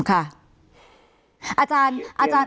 อาจารย์